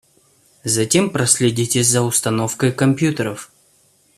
Затем проследите за установкой компьютеров.